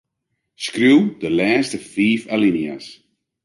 Skriuw de lêste fiif alinea's.